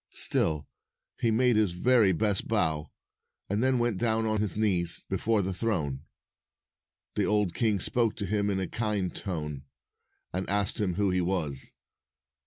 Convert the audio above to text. Still, he made his very best bow, and then went down on his knees before the throne. The old king spoke to him in a kind tone, and asked him who he was.